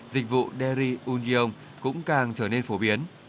dịch vụ darry union cũng càng trở nên phổ biến